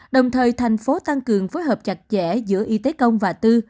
đồng thời thành phố tăng cường phối hợp chặt chẽ giữa y tế công và tư